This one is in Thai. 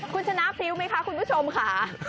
คุณชนะพริ้วไหมคะคุณผู้ชมค่ะ